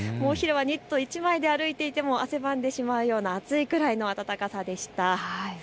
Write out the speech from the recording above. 昼はニット１枚で歩いていても汗ばんでしまうような暑いくらいの暖かさでした。